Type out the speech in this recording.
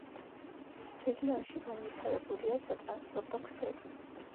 რეგიონში განვითარებულია სატრანსპორტო ქსელი.